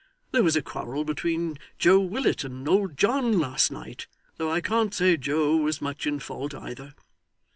There was a quarrel between Joe Willet and old John last night though I can't say Joe was much in fault either.